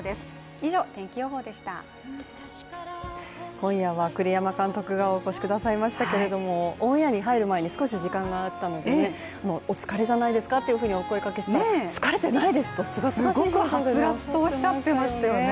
今夜は栗山監督がお越しくださいましたけれどもオンエアに入る前に少し時間があったのでお疲れじゃないですかと、お声がけしたら疲れていないですとすがすがしい感じですごくはつらつと、おっしゃってましたよね。